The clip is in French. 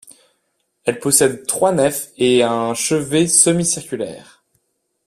Elle possède trois nefs et un chevet semi-circulaire.